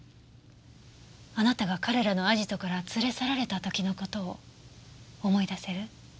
あなたが彼らのアジトから連れ去られた時の事を思い出せる？